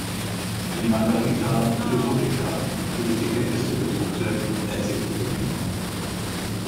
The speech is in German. Die "Margarita philosophica" gilt als die älteste gedruckte Enzyklopädie.